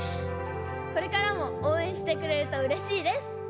これからもおうえんしてくれるとうれしいです。